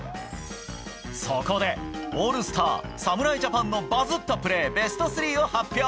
そこで、オールスター侍ジャパンのバズったプレーベスト３を発表！